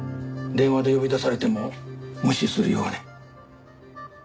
電話で呼び出されても無視するように。